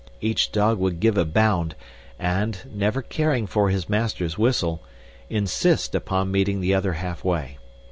Each dog would give a bound and, never caring for his master's whistle, insist upon meeting the other halfway.